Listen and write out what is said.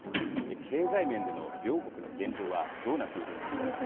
経済面での両国の現状はどうなっているのでしょうか。